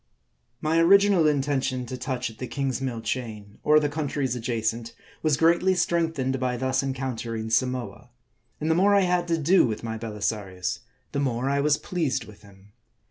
MY original intention to touch at the Kingsmill Chain, or the countries adjacent, was greatly strengthened by thus encountering Samoa ; and the more I had to do with my Belisarius, the more I was pleased with him.